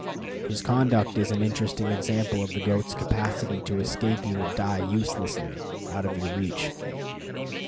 His conduct is an interesting example of the goat's capacity to escape you and die uselessly, out of your reach.